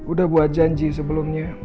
udah buat janji sebelumnya